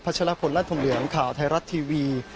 ชลพลรัฐธมเหลืองข่าวไทยรัฐทีวี